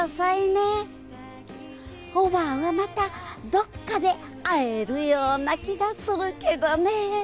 おばぁはまたどっかで会えるような気がするけどね。